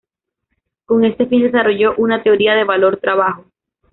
Con ese fin desarrolló una teoría del valor-trabajo.